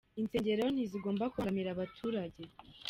Insengero ntizigomba kubangamira abaturage